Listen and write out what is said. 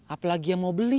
apalagi yang mau beli